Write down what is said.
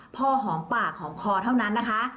พอหอมปากหอมคอเท่านั้นนะคะ